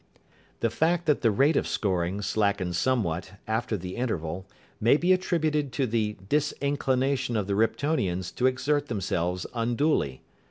The fact that the rate of scoring slackened somewhat after the interval may be attributed to the disinclination of the Riptonians to exert themselves unduly.